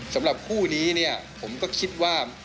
สำหรับคู่นี้ผมก็คิดว่า